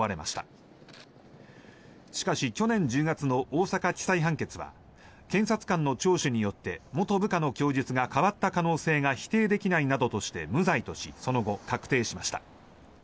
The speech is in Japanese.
しかし、去年１０月の大阪地裁判決は検察官の聴取によって元部下の供述が変わった可能性が否定できないなどとしてその後、確定しました。